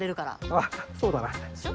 あそうだな。